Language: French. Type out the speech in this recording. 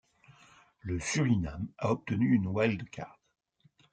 Le Suriname a obtenu une wild card.